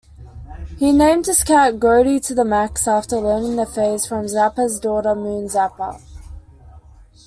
He named his cat Grody-to-the-Max after learning the phrase from Zappa's daughter Moon Zappa.